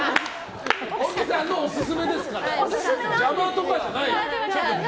沖さんのオススメですから邪魔とかはないよ。